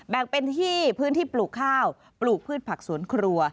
แบ่งเป็นที่พื้นที่ปลูกข้าวปลูกพืชผักสวนครัว